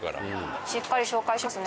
しっかり紹介しますね。